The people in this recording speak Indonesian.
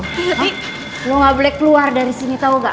lo ngablek keluar dari sini tau gak